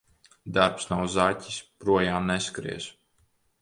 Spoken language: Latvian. Darbs nav zaķis – projām neskries.